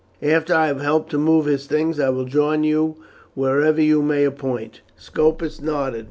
"After I have helped to move his things I will join you wherever you may appoint." Scopus nodded.